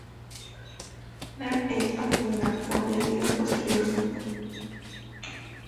La 'e' al final fue añadida posteriormente.